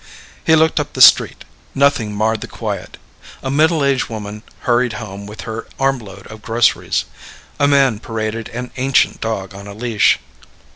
He looked up the street. Nothing marred the quiet. A middle aged woman hurried home with her armload of groceries. A man paraded an ancient dog on a leash.